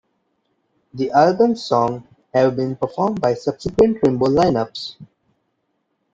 The album's songs have been performed by subsequent Rainbow line-ups.